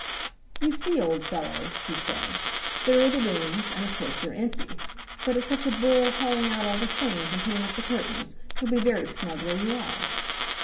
"You see, old fellow," he said, "there are the rooms, and of course they're empty. But it's such a bore hauling out all the things and putting up the curtains. You'll be very snug where you are."